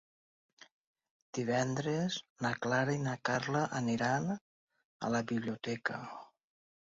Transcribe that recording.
Divendres na Clara i na Carla aniran a la biblioteca.